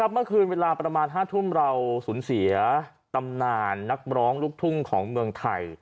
เมื่อคืนเวลาประมาณ๕ทุ่มเราสูญเสียตำนานนักร้องลูกทุ่งของเมืองไทย